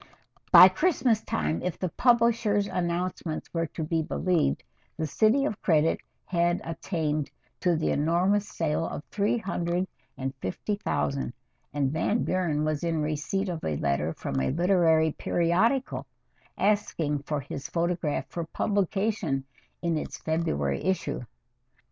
By Christmas time, if the publishers' announcements were to be believed, "The City of Credit" had attained to the enormous sale of three hundred and fifty thousand, and Van Buren was in receipt of a letter from a literary periodical asking for his photograph for publication in its February issue.